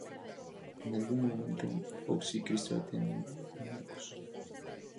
En algún momento, Fox y Krystal tienen a Marcus.